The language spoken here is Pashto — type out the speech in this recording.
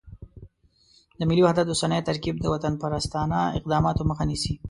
د ملي وحدت اوسنی ترکیب د وطنپرستانه اقداماتو مخه نیسي.